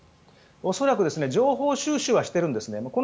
恐らく情報収集はしているんですね。